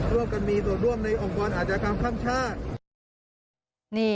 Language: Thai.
ร่วมกันมีส่วนร่วมในองค์กรอาชญากรรมข้ามชาติ